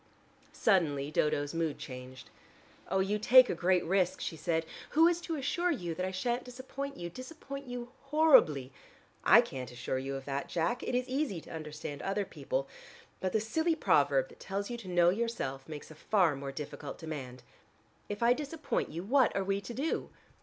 Suddenly Dodo's mood changed. "Oh, you take a great risk," she said. "Who is to assure you that I shan't disappoint you, disappoint you horribly? I can't assure you of that, Jack. It is easy to understand other people, but the silly proverb that tells you to know yourself, makes a far more difficult demand. If I disappoint you, what are we to do?"